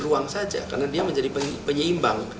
ruang saja karena dia menjadi penyeimbang